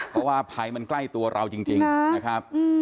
เพราะว่าภัยมันใกล้ตัวเราจริงนะครับ